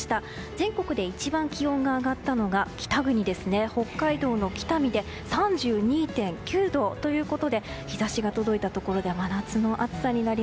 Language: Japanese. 全国で一番気温が上がったのが北国ですね北海道の北見で３２．９度ということで日差しが届いたところでは真夏の暑さ。